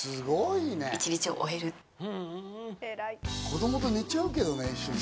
子供と寝ちゃうけどね、一緒に。